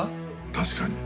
確かに。